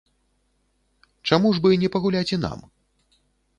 Чаму ж бы не пагуляць і нам?